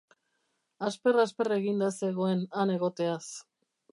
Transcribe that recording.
Asper-asper eginda zegoen han egoteaz.